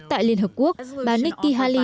tại liên hợp quốc bà nikki haley